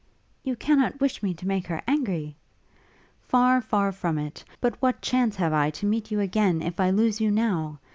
'You cannot wish me to make her angry?' 'Far, far from it! but what chance have I to meet you again, if I lose you now?